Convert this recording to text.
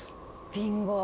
ビンゴ！